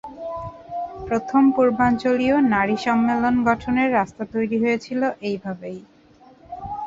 প্রথম পূর্বাঞ্চলীয় নারী সম্মেলন গঠনের রাস্তা তৈরি হয়েছিল এইভাবেই।